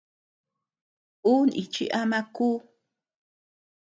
Ú níchi ama kú.